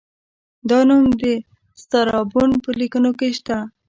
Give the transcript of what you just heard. دا نوم د سترابون په لیکنو کې شته